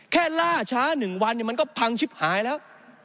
แค่ล่าช้าหนึ่งวันเนี่ยมันก็พังชิบหายแล้ว